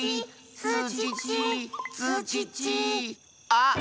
あっ！